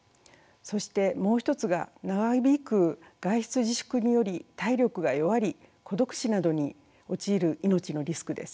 そしてもう一つが長引く外出自粛により体力が弱り孤独死などに陥る命のリスクです。